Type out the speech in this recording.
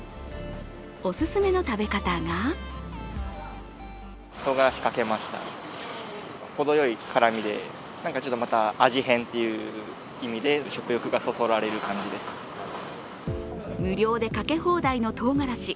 オススメの食べ方が無料でかけ放題のとうがらし。